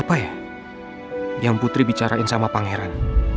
apa ya yang putri bicarain sama pangeran